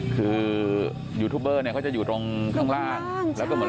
ของเธอที่อายุของพี่ยังคิดใจใดบ้าง